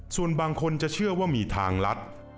ส่วนบางคนจะเชื่อว่ามีทางลัด